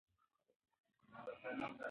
ارمني ښځې به هم کله ناکله حرم ته وړل کېدې.